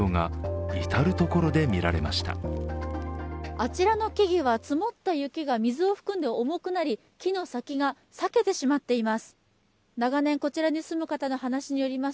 あちらの木々は積もった雪が水を含んで重くなり木の先が割けてしまっています。